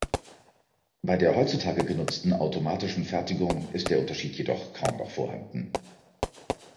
Bei der heutzutage genutzten automatischen Fertigung ist der Unterschied jedoch kaum noch vorhanden.